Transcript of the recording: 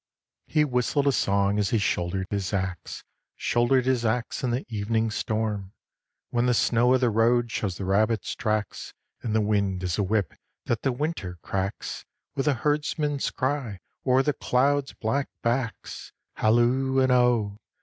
IV. He whistled a song as he shouldered his axe, Shouldered his axe in the evening storm: "When the snow of the road shows the rabbit's tracks, And the wind is a whip that the Winter cracks, With a herdsman's cry, o'er the clouds' black backs, Halloo and oh!